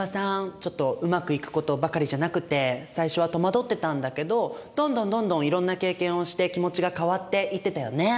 ちょっとうまくいくことばかりじゃなくて最初は戸惑ってたんだけどどんどんどんどんいろんな経験をして気持ちが変わっていってたよね。